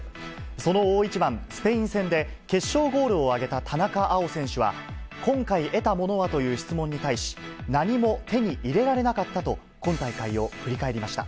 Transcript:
その大一番、スペイン戦で、決勝ゴールを挙げた田中碧選手は、今回得たものはという質問に対し、何も手に入れられなかったと、今大会を振り返りました。